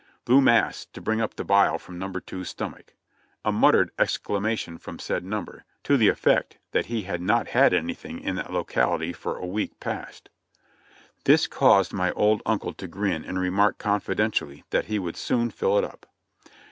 "Blue mass to bring up the bile from number two's stomach." (A muttered exclamation from said number, to the effect that he had not had anything in that locality for a week past!) This caused my old uncle to grin and remark confidentially that he would soon fill it up.